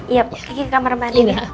iya pak kekik ke kamar anin ya